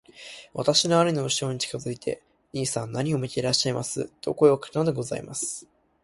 私は兄のうしろに近づいて『兄さん何を見ていらっしゃいます』と声をかけたのでございます。